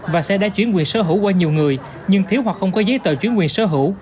và xe đã chuyển quyền sở hữu qua nhiều người nhưng thiếu hoặc không có giấy tờ chuyển quyền sở hữu